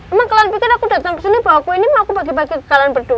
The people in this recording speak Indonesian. emang kalian pikir aku datang kesini bawa kue ini mau aku bagi bagi ke kalian berdua